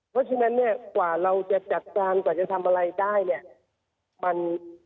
เพราะฉะนั้นเนี่ยกว่าเราจะจัดการกว่าจะทำอะไรได้เนี่ย